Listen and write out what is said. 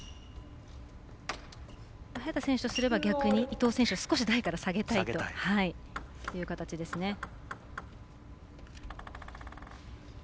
早田選手とすれば逆に伊藤選手を少し台から下げたいという形ですね。